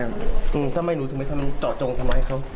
อืมเขาไม่รู้เนี่ยทำไมเจาะจงทำร้ายของเขา